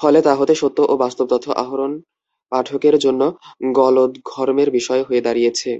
ফলে তা হতে সত্য ও বাস্তব তথ্য আহরণ পাঠকের জন্য গলদঘর্মের বিষয় হয়ে দাঁড়িয়েছে।